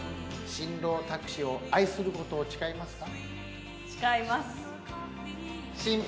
新郎卓志を愛することを誓いますか？